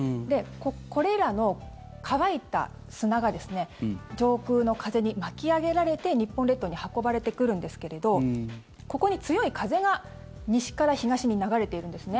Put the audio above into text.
これらの乾いた砂が上空の風に巻き上げられて日本列島に運ばれてくるんですけれどここに強い風が西から東に流れているんですね。